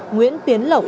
nguyễn tiến lộc